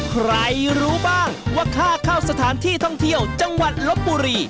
ใครรู้บ้างว่าค่าเข้าสถานที่ท่องเที่ยวจังหวัดลบบุรี